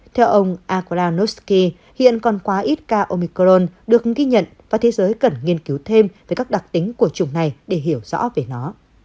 theo ông akula nosky hiện còn quá ít ca omicron được ghi nhận và thế giới cần nghiên cứu thêm về các đặc tính của chủng này để hiểu rõ về nó